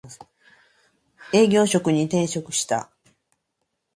営業職に転職した